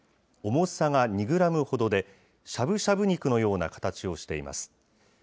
重さが２グラムほどで、しゃぶしゃぶ肉のような形をしています。